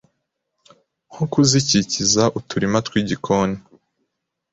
nko kuzikikiza uturima tw’igikoni